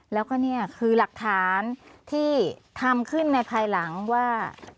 แล้วก็นี่คือหลักฐานที่ทำขึ้นในภายหลังว่า